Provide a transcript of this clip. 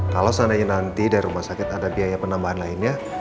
kalau seandainya nanti dari rumah sakit ada biaya penambahan lainnya